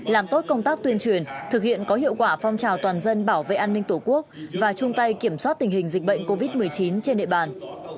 làm tốt công tác tuyên truyền thực hiện có hiệu quả phong trào toàn dân bảo vệ an ninh tổ quốc và chung tay kiểm soát tình hình dịch bệnh covid một mươi chín trên địa bàn